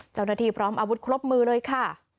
เจ้าหน้าที่พร้อมอาวุธครบมือเลยค่ะ